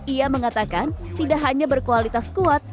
ia mengatakan tidak hanya berkualitas kuat